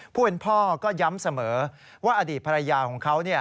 ผู้เป็นพ่อก็ย้ำเสมอว่าอดีตภรรยาของเขา